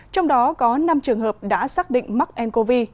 trong đó có năm trường hợp đã xác định mắc ncov